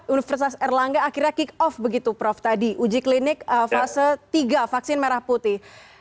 universitas erlangga akhirnya kick off begitu prof tadi uji klinik fase tiga vaksin merah putih